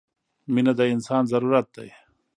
• مینه د انسان ضرورت دی.